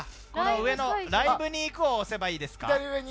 ライブに行く押せばいいですか。